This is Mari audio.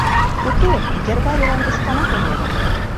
Уке, гербарийлан вескана погем.